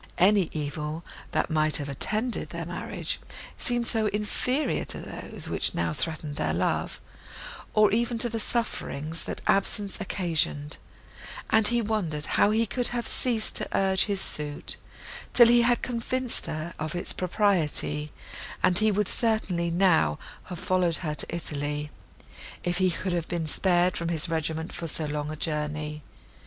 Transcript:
Any evil, that might have attended their marriage, seemed so inferior to those, which now threatened their love, or even to the sufferings, that absence occasioned, that he wondered how he could have ceased to urge his suit, till he had convinced her of its propriety; and he would certainly now have followed her to Italy, if he could have been spared from his regiment for so long a journey.